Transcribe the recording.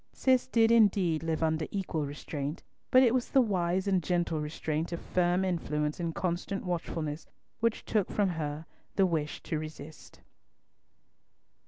Cis did indeed live under equal restraint, but it was the wise and gentle restraint of firm influence and constant watchfulness, which took from her the wish to resist.